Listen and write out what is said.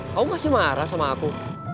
kamu masih marah sama aku